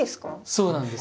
そうなんです。